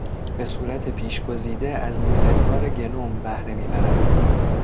به صورت پیشگزیده از میزکار گنوم بهره میبرد